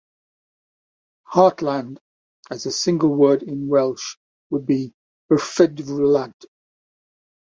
"Heartland" as a single word in Welsh would be "perfeddwlad.